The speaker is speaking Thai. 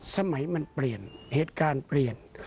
สมัยมันเปลี่ยนเหตุการณ์เปลี่ยน